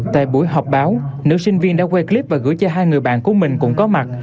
tại buổi họp báo nữ sinh viên đã quay clip và gửi cho hai người bạn của mình cũng có mặt